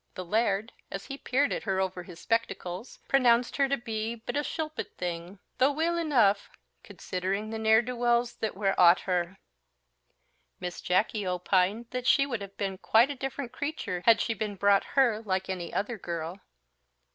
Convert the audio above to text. The Laird, as he peered at her over his spectacles, pronounced her to be but a shilpit thing, though weel eneugh, considering the ne'er do weels that were aught her. Miss Jacky opined that she would have been quite a different creature had she been brought up like any other girl.